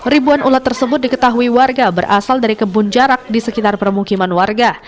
ribuan ulat tersebut diketahui warga berasal dari kebun jarak di sekitar permukiman warga